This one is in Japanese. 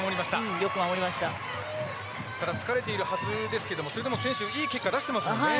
疲れているはずですけどそれでも選手いい結果出してますからね。